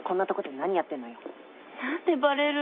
何でバレるの？